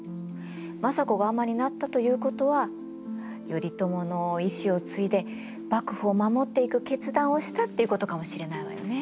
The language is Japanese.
政子が尼になったということは頼朝の遺志を継いで幕府を守っていく決断をしたっていうことかもしれないわよね。